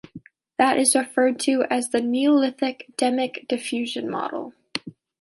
That is referred to as the Neolithic demic diffusion model.